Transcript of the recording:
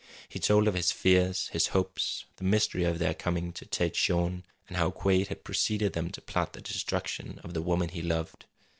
He told of his fears, his hopes, the mystery of their coming to Tête Jaune, and how Quade had preceded them to plot the destruction of the woman he loved.